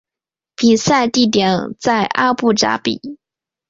比赛地点在阿布扎比。